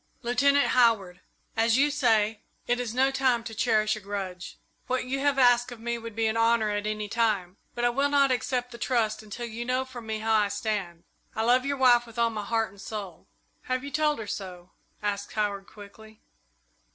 "Lieutenant Howard, as you say, it is no time to cherish a grudge. What you have asked of me would be an honour at any time, but I will not accept the trust until you know from me how I stand. I love your wife with all my heart and soul." "Have you told her so?" asked Howard, quickly.